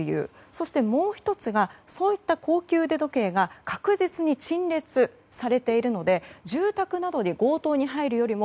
そしてもう１つがそういった高級腕時計が確実に陳列されているので住宅などに強盗に入るよりも